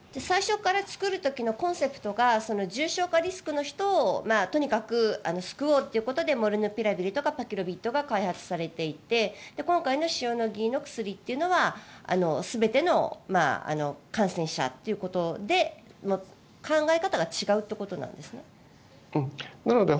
最初に作る時のコンセプトが重症化リスクの人をとにかく救おうということでモルヌピラビルとかパキロビッドが開発されていて今回の塩野義の薬というのは全ての感染者ということで考え方が違うってことなんですか？